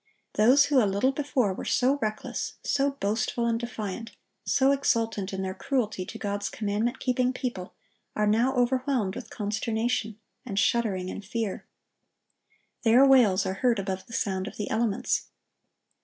Those who a little before were so reckless, so boastful and defiant, so exultant in their cruelty to God's commandment keeping people, are now overwhelmed with consternation, and shuddering in fear. Their wails are heard above the sound of the elements.